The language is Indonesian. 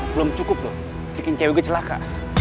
belum cukup loh bikin cewek gue celaka